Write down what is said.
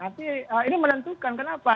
tapi ini menentukan kenapa